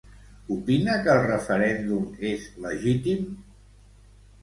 Opina que el referèndum és legítim?